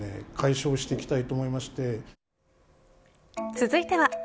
続いては＃